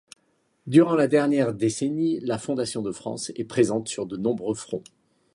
Durant la dernière décennie, la Fondation de France est présente sur de nombreux fronts.